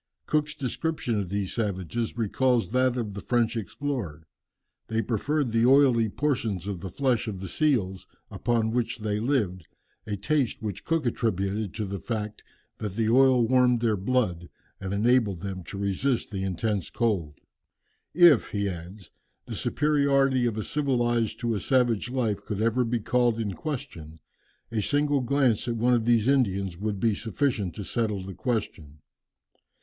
Cook's description of these savages recalls that of the French explorer. They preferred the oily portions of the flesh of the seals upon which they lived a taste which Cook attributed to the fact that the oil warmed their blood, and enabled them to resist the intense cold. "If," he adds, "the superiority of a civilized to a savage life could ever be called in question, a single glance at one of these Indians would be sufficient to settle the question.